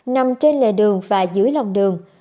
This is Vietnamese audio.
nằm trên lề đường và dưới lòng đường